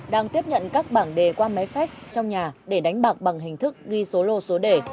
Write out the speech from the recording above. đang tiếp nhận các bảng đề qua máy fest trong nhà để đánh bạc bằng hình thức ghi số lô số đề